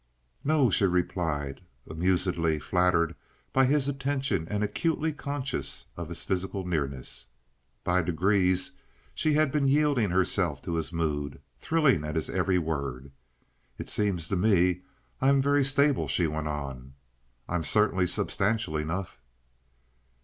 "No," she replied, amusedly, flattered by his attention and acutely conscious of his physical nearness. By degrees she had been yielding herself to his mood, thrilling at his every word. "It seems to me I am very stable," she went on. "I'm certainly substantial enough."